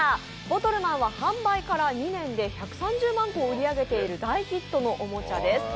ボトルマンは販売から２年で１３０万個を売り上げている大ヒットおもちゃです。